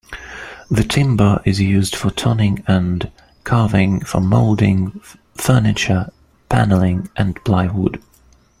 The timber is used for turning and carving, for moulding, furniture, panelling and plywood.